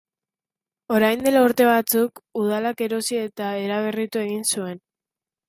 Orain dela urte batzuk, udalak erosi eta eraberritu egin zuen.